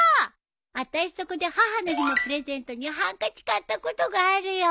あたしそこで母の日のプレゼントにハンカチ買ったことがあるよ。